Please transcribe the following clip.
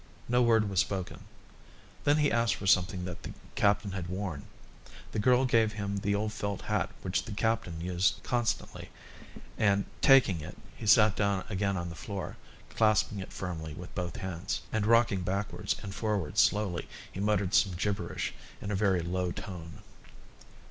No word was spoken. Then he asked for something that the captain had worn. The girl gave him the old felt hat which the captain used constantly and taking it he sat down again on the floor, clasping it firmly with both hands; and rocking backwards and forwards slowly he muttered some gibberish in a very low tone.